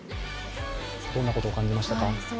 どんなことを感じましたか？